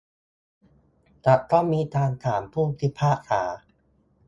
จะต้องมีการถามผู้พิพากษา